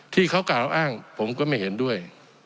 ที่เขากล่าวอ้างผมก็ไม่เห็นด้วย